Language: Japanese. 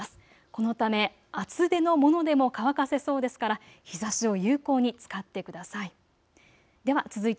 このため厚手のものでも乾かせそうですから日ざしを有効に使ってください。